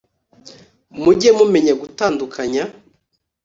mujye mumenya gutandukanya